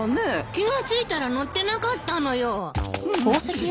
気が付いたら乗ってなかったのよ。